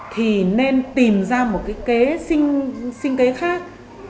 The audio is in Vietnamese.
thì nên tìm ra một cái kế sinh kế khác